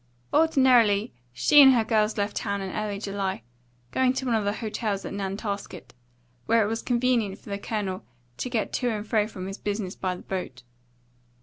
Ordinarily she and her girls left town early in July, going to one of the hotels at Nantasket, where it was convenient for the Colonel to get to and from his business by the boat.